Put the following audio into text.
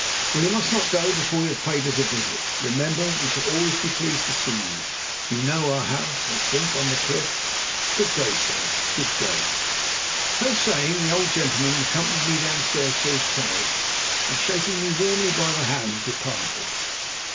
"Well, you must not go before you have paid us a visit. Remember we shall always be pleased to see you. You know our house, I think, on the cliff. Good day, sir, good day." So saying, the old gentleman accompanied me downstairs to his carriage, and, shaking me warmly by the hand, departed.